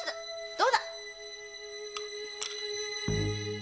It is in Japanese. どうだ！